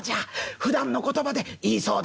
ふだんの言葉でいいそうだ」。